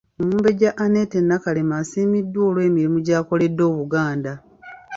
Omumbejja Annette Nakalema asiimiddwa olw'emirimu gy'akoledde Obuganda.